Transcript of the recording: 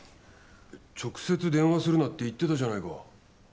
えっ直接電話するなって言ってたじゃないか。